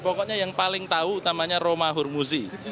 pokoknya yang paling tahu utamanya rumah urmuzi